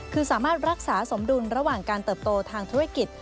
คือสามารถรักษาสมดุลระหว่างการเติบโตทางธุรกิจ